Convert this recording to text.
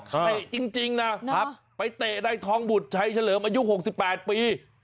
จริงนะไปเตะในทองบุตรชัยเฉลิมอายุ๖๘ปี